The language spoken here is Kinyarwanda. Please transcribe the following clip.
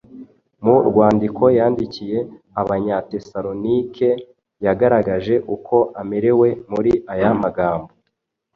Mu rwandiko yandikiye Abanyatesalonike yagaragaje uko amerewe muri aya magambo: